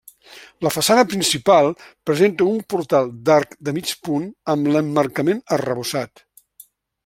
La façana principal presenta un portal d'arc de mig punt amb l'emmarcament arrebossat.